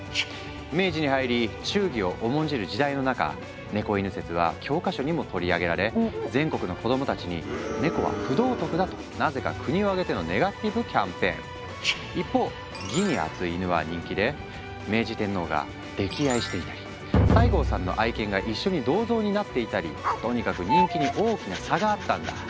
明治に入り忠義を重んじる時代の中「猫狗説」は教科書にも取り上げられ全国の子供たちに「ネコは不道徳だ」となぜか国を挙げてのネガティブキャンペーン。一方義に厚いイヌは人気で明治天皇が溺愛していたり西郷さんの愛犬が一緒に銅像になっていたりとにかく人気に大きな差があったんだ。